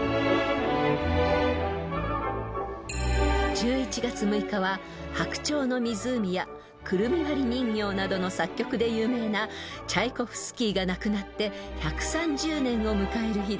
［１１月６日は『白鳥の湖』や『くるみ割り人形』などの作曲で有名なチャイコフスキーが亡くなって１３０年を迎える日です］